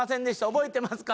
覚えてますか？」